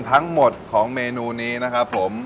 ทั้งหมดของเมนูนี้นะครับผม